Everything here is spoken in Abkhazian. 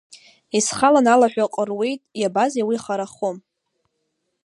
Исхалан алаҳәа ҟыруеит, иабазеи, уи харахом…